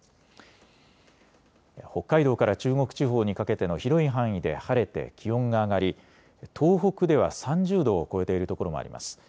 北海道から中国地方にかけての広い範囲で晴れて気温が上がり東北では３０度を超えているところもあります。